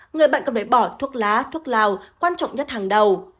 người bệnh cần lấy bỏ thuốc lá thuốc lào quan trọng nhất hàng đầu